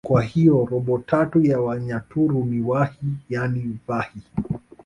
kwa hiyo robo tatu ya wanyaturu ni wahi yaani vahi